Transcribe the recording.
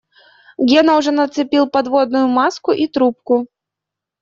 Гена уже нацепил подводную маску и трубку.